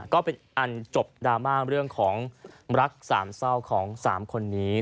ก็เป็นอันจบดราม่าเรื่องของรักสามเศร้าของ๓คนนี้